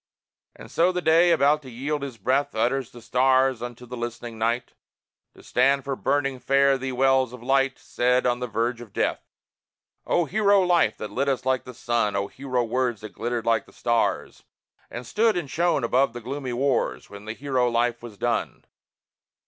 And so the Day, about to yield his breath, Utters the stars unto the listening Night, To stand for burning fare thee wells of light Said on the verge of death. O hero life that lit us like the sun! O hero words that glittered like the stars And stood and shone above the gloomy wars When the hero life was done!